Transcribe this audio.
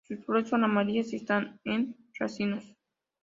Sus flores son amarillas y están en racimos.